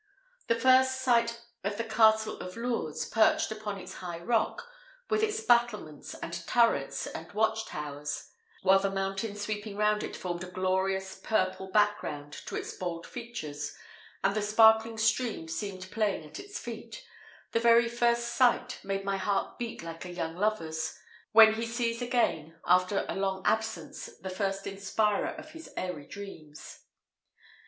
The first sight of the Castle of Lourdes, perched upon its high rock, with its battlements, and turrets, and watch towers; while the mountains sweeping round it formed a glorious purple background to its bold features, and the sparkling stream seemed playing at its feet the very first sight made my heart beat like a young lover's, when he sees again after a long absence the first inspirer of his airy dreams.